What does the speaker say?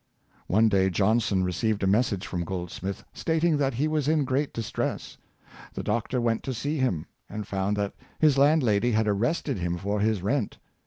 One day Johnson received a message from Goldsmith, stating that he was in great distress. The Doctor went to see him, and found that his landlady had arrested him for his rent.